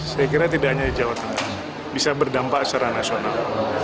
saya kira tidak hanya di jawa tengah bisa berdampak secara nasional